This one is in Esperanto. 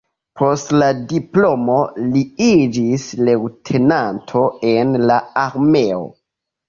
Post la diplomo li iĝis leŭtenanto en la armeo.